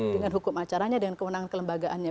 dengan hukum acaranya dengan kewenangan kelembagaannya